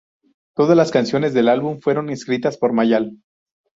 Todas las canciones del álbum fueron escritas por Mayall.